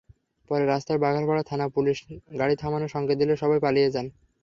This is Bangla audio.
পরে রাস্তায় বাঘারপাড়া থানার পুলিশ গাড়ি থামানোর সংকেত দিলে সবাই পালিয়ে যান।